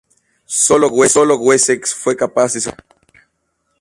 Solo Wessex fue capaz de sobrevivir.